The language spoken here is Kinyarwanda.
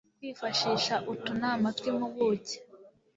kwifashisha utunama tw impuguke